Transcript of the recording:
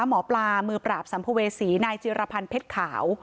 หมอปลามือปราบสัมภเวษีนายจิรพันธ์เพชรขาว